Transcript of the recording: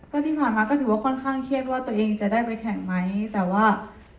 ก็ที่ผ่านมาก็ถือว่าค่อนข้างเครียดว่าตัวเองจะได้ไปแข่งไหมแต่ว่า